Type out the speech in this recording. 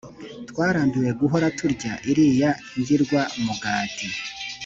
twarambiwe guhora turya iriya ngirwamugati.